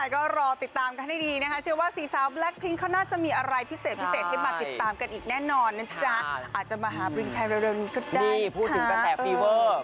ขอบคุณที่มาให้กำลังใจพวกเราน่ะค่ะแล้วก็หวังว่าจะเจอกันได้เร็วนี้